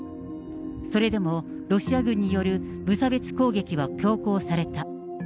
それでも、ロシア軍による無差別攻撃は強行された。